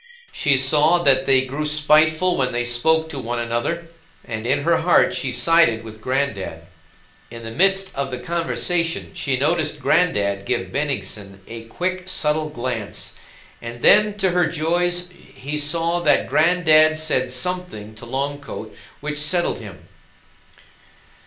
She saw that they grew spiteful when they spoke to one another, and in her heart she sided with "Granddad." In the midst of the conversation she noticed "Granddad" give Bennigsen a quick, subtle glance, and then to her joys she saw that "Granddad" said something to "Long coat" which settled him.